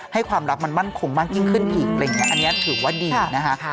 ให้ความรักมันมั่นคงมากยิ่งขึ้นออันนี้ถือว่าดีนะคะ